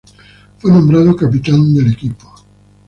Fue nombrado capitán del equipo.